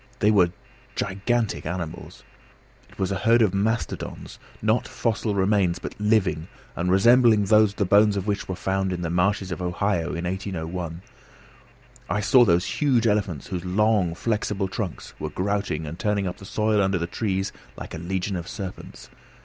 They were gigantic animals; it was a herd of mastodons not fossil remains, but living and resembling those the bones of which were found in the marshes of Ohio in 1801. I saw those huge elephants whose long, flexible trunks were grouting and turning up the soil under the trees like a legion of serpents.